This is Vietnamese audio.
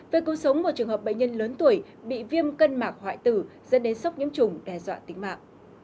về cứu sống một trường hợp bệnh nhân lớn tuổi bị viêm cân mạc hoại tử dẫn đến sốc nhiễm trùng đe dọa tính mạng